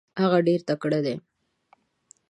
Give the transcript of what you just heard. هغه ډیر تکړه دی.